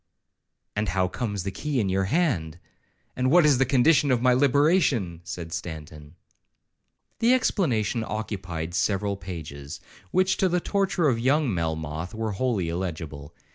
'—'And how comes the key in your hand? and what is the condition of my liberation?' said Stanton. The explanation occupied several pages, which, to the torture of young Melmoth, were wholly illegible.